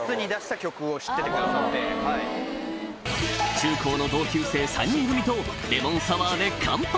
中高の同級生３人組とレモンサワーで乾杯！